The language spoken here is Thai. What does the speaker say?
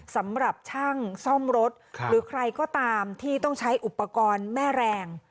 สำหรับช่างซ่อมรถหรือใครก็ตามที่ต้องใช้อุปกรณ์แม่แรง